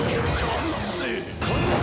完成！